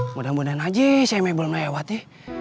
mudah mudahan aja si emek belum lewat ya